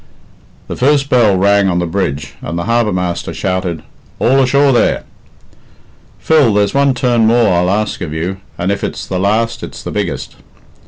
The first bell rang on the bridge, and the harbour master shouted, "All ashore, there!" "Phil, there's one turn more I'll ask of you, and, if it's the last, it's the biggest."